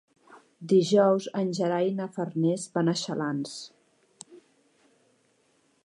Dijous en Gerai i na Farners van a Xalans.